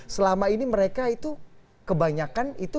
selama ini mereka itu kebanyakan itu